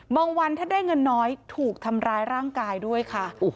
วันถ้าได้เงินน้อยถูกทำร้ายร่างกายด้วยค่ะ